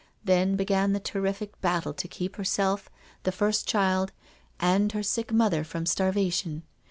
Then began the terrific battle to keep herself, the first child, and her sick mother from starvation.